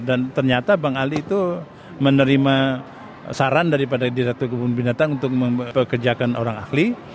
dan ternyata bang ali itu menerima saran dari direktur kebun binatang untuk mempekerjakan orang ahli